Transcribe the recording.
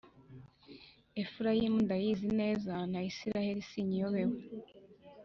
Efurayimu ndayizi neza, na Israheli sinyiyobewe;